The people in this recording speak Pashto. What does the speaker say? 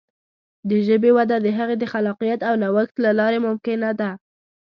د ژبې وده د هغې د خلاقیت او نوښت له لارې ممکنه ده.